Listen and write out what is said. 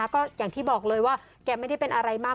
ก็อย่างที่บอกเลยว่าแกไม่ได้เป็นอะไรมาก